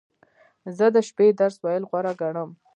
زه د شپې درس ویل غوره ګڼم.